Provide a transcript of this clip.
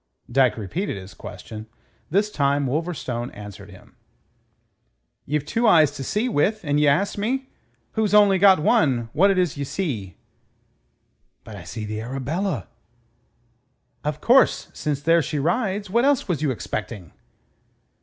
Dyke repeated his question. This time Wolverstone answered him. "Ye've two eyes to see with, and ye ask me, who's only got one, what it is ye see!" "But I see the Arabella." "Of course, since there she rides. What else was you expecting?"